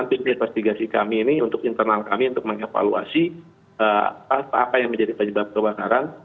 tim investigasi kami ini untuk internal kami untuk mengevaluasi apa yang menjadi penyebab kebakaran